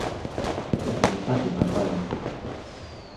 This is accepted by Frier.